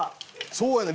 そうやねん。